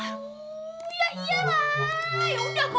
ya udah mau